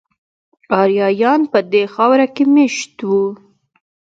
آریایان په دې خاوره کې میشت وو